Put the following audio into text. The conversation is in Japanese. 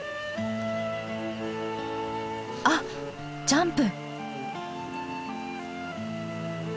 あっジャンプ！